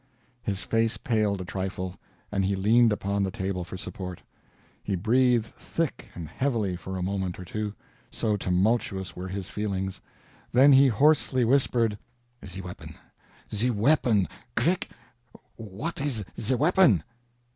His face paled a trifle, and he leaned upon the table for support. He breathed thick and heavily for a moment or two, so tumultuous were his feelings; then he hoarsely whispered: "The weapon, the weapon! Quick! what is the weapon?"